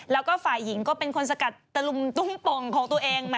แล้วก็ฝ่ายหญิงก็เป็นคนสกัดตะลุมตุ้มป่องของตัวเอง